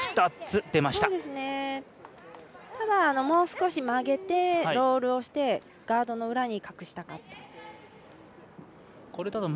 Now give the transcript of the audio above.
もう少し曲げてロールをしてガードの裏に隠したかった。